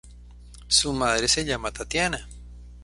Su madre se llama Tatiana.